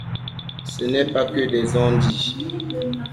Ce n’est pas que des on-dit.